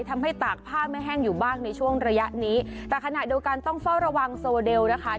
ตากผ้าไม่แห้งอยู่บ้างในช่วงระยะนี้แต่ขณะเดียวกันต้องเฝ้าระวังโซเดลนะคะ